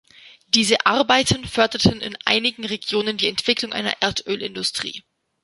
Diese Arbeiten förderten in einigen Regionen die Entwicklung einer Erdölindustrie.